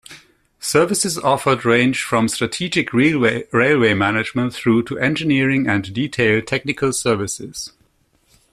Services offered range from strategic railway management through to engineering and detail technical services.